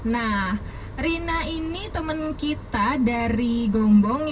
nah rina ini teman kita dari gombong